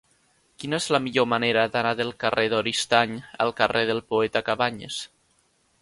Quina és la millor manera d'anar del carrer d'Oristany al carrer del Poeta Cabanyes?